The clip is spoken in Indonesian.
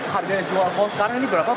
harga yang di jual ko sekarang ini berapa